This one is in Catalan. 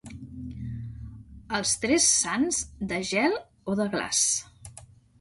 Els tres sants de gel o de glaç.